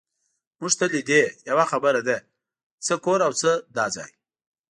مونږ ته لیدې، یوه خبره ده، څه کور او څه دا ځای.